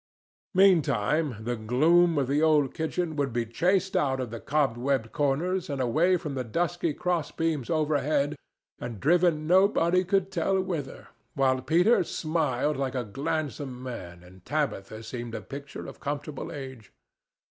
Meantime, the gloom of the old kitchen would be chased out of the cobwebbed corners and away from the dusky cross beams overhead, and driven nobody could tell whither, while Peter smiled like a gladsome man and Tabitha seemed a picture of comfortable age.